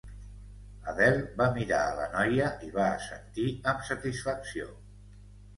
Adele va mirar a la noia i va assentir amb satisfacció.